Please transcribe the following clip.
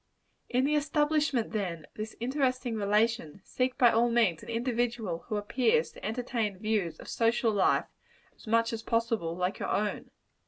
In the establishment, then, of this interesting relation, seek by all means an individual who appears to entertain views of social life, as much as possible, like your own.